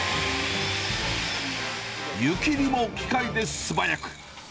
湯切りも機械で素早く。